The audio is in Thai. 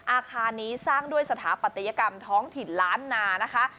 อาคารนี้สร้างด้วยสถาปัตยกรรมท้องถิ่นล้านนานะคะ